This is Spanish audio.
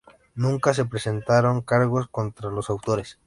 Nunca se presentaron cargos contra los autores.